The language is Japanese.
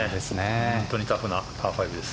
本当にタフなパー５です。